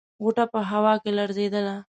غوټه په هوا کې لړزېدله.